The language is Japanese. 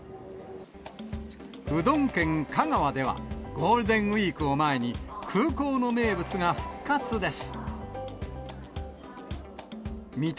うどん県、香川ではゴールデンウィークを前に、空港の名物が復活です。